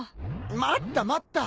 待った待った！